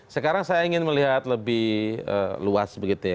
sekarang saya ingin melihat lebih luas begitu ya